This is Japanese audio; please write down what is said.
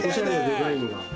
デザインが。